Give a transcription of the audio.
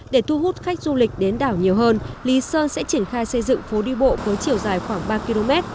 để thu hút khách du lịch đến đảo nhiều hơn lý sơn sẽ triển khai xây dựng phố đi bộ với chiều dài khoảng ba km